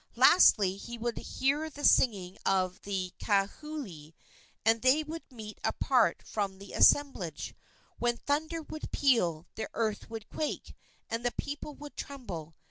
Lastly, he would hear the singing of the ka'huli, and they would meet apart from the assemblage, when thunder would peal, the earth would quake, and the people would tremble.